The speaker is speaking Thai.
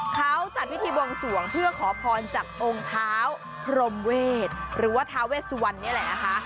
เขาจัดพิธีบวงสวงเพื่อขอพรจากองค์เท้าพรมเวศหรือว่าทาเวสวันนี่แหละนะคะ